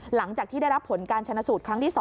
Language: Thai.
หลังจากที่ได้รับผลการชนะสูตรครั้งที่๒